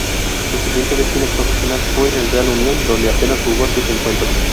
Su siguiente destino profesional fue el Real Unión, donde apenas jugó siete encuentros.